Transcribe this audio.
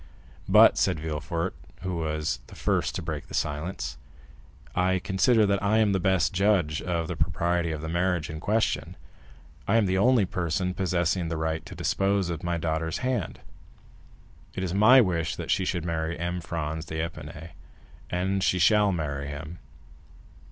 "But," said Villefort, who was the first to break the silence, "I consider that I am the best judge of the propriety of the marriage in question. I am the only person possessing the right to dispose of my daughter's hand. It is my wish that she should marry M. Franz d'Épinay—and she shall marry him."